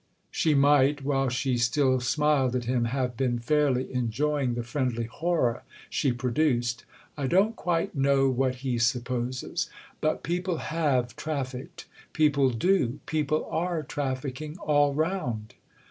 She might, while she still smiled at him, have been fairly enjoying the friendly horror she produced. "I don't quite know what he supposes. But people have trafficked; people do; people are trafficking all round."